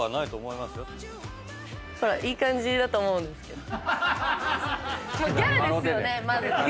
いい感じだと思うんですけど。